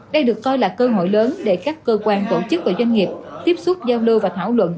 đây được coi là cơ hội lớn để các cơ quan tổ chức và doanh nghiệp tiếp xúc giao lưu và thảo luận